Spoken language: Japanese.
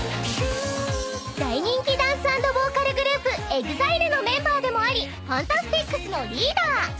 ［大人気ダンス＆ボーカルグループＥＸＩＬＥのメンバーでもありＦＡＮＴＡＳＴＩＣＳのリーダー］